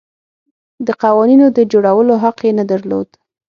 د قوانینو د جوړولو حق یې نه درلود.